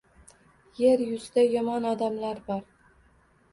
Yer yuzida yomon odamlar bor.